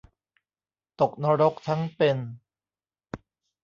ตกนรกทั้งเป็น